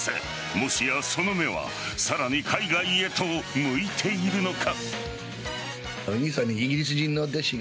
もしや、その目はさらに海外へと向いているのか。